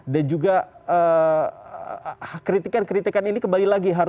dan juga kritikan kritikan ini kembali lagi